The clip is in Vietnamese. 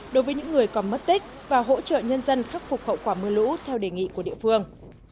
đối với những người còn mất tích và hỗ trợ nhân dân khắc phục hậu quả mưa lũ theo đề nghị của địa phương